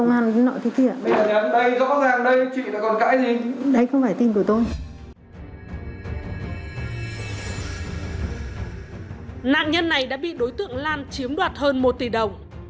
nạn nhân này đã bị đối tượng lan chiếm đoạt hơn một tỷ đồng